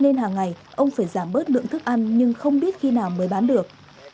nên hàng ngày ông phải giảm bớt lượng thức ăn nhưng không biết khi nào mới bán được